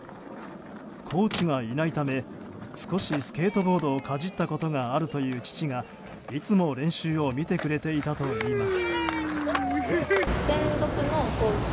コーチがいないため少しスケートボードをかじったことがあるという父がいつも練習を見てくれていたといいます。